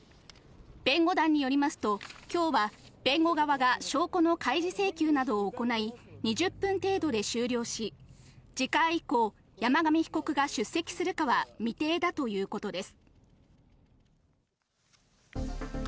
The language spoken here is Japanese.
弁護団によりますと、きょうは弁護側が証拠の開示請求などを行い、２０分程度で終了し、次回以降、山上被告が出席するかは未定だということです。